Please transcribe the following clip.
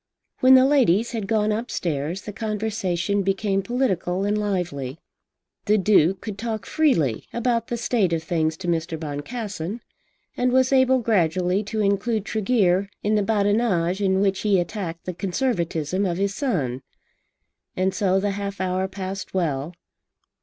When the ladies had gone upstairs the conversation became political and lively. The Duke could talk freely about the state of things to Mr. Boncassen, and was able gradually to include Tregear in the badinage with which he attacked the Conservatism of his son. And so the half hour passed well.